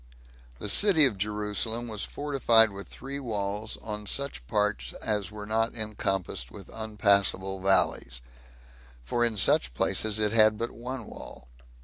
The city of Jerusalem was fortified with three walls, on such parts as were not encompassed with unpassable valleys; for in such places it had but one wall.